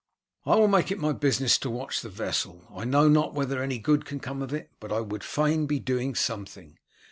"I will make it my business to watch that vessel. I know not whether any good can come of it, but I would fain be doing something.